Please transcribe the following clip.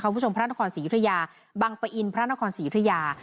พระนครศรียุธยาบังปะอินพระนครศรียุธยา